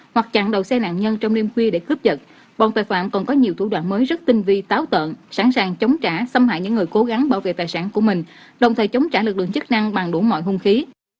hoặc chặn đầu xe nạn nhân trong đêm khuya để cướp dật bọn tội phạm còn có nhiều thủ đoạn mới rất tinh vi táo tợn sẵn sàng chống trả xâm hại những người cố gắng bảo vệ tài sản của mình đồng thời chống trả lực lượng chức năng bằng đủ mọi hung khí